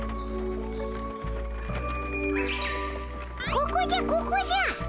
ここじゃここじゃ。